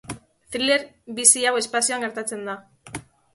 Thriller bizi hau espazioan gertatzen da.